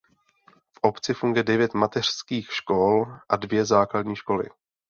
V obci funguje devět mateřských škol a dvě základní školy.